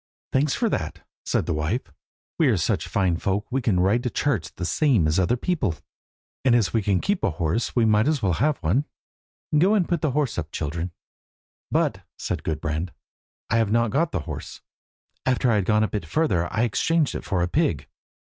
"Thanks for that!" said the wife; "we are such fine folk that we can ride to church the same as other people, and as we can keep a horse we might as well have one. Go and put the horse up, children." "But," said Gudbrand, "I have not got the horse. After I had gone a bit further I exchanged it for a pig."